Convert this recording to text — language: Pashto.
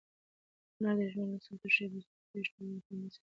هنر د ژوند له سختو شېبو څخه د تېښتې یو خوندي ځای دی.